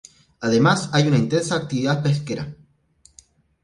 Además hay una intensa actividad pesquera.